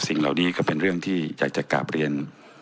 สิ่งเหล่านี้ก็เป็นเรื่องที่อยากจะกลับเรียน